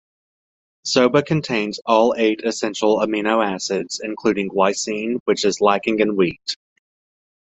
Soba contains all eight essential amino acids, including lysine, which is lacking in wheat.